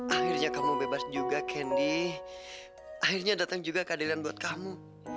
akhirnya kamu bebas juga kendi akhirnya datang juga keadilan buat kamu